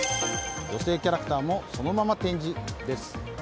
女性キャラクターもそのまま展示です。